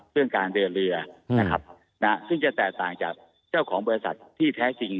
เรื่องการเดินเรือนะครับซึ่งจะแตกต่างจากเจ้าของบริษัทที่แท้จริง